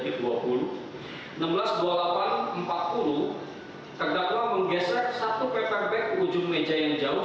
itu pada pukul enam belas dua puluh delapan dua puluh enam belas dua puluh delapan empat puluh terdakwa menggeser satu paper bag ke ujung meja yang jauh